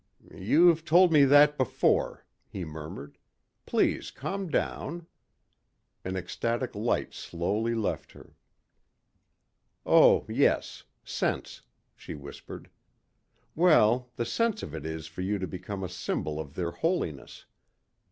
"You've told me that before," he murmured. "Please calm down." An ecstatic light slowly left her. "Oh yes. Sense," she whispered. "Well, the sense of it is for you to become a symbol of their holiness.